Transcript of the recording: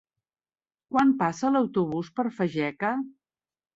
Quan passa l'autobús per Fageca?